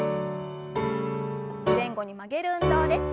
前後に曲げる運動です。